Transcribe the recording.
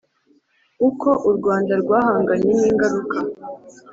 uko u rwanda rwahanganye n’ingaruka .